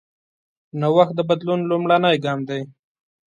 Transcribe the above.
نوښت د بدلون لومړنی ګام دی.